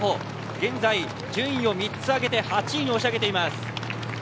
現在、順位を３つ上げて８位に押し上げています。